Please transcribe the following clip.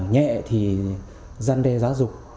nhẹ thì dân đe giáo dục